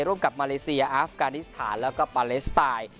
ร่วมกับมาเลเซียอาฟกานิสถานแล้วก็ปาเลสไตล์